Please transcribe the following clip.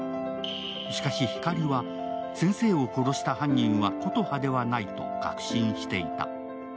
しかし、光は先生を殺した犯人は琴葉ではないと確信していた。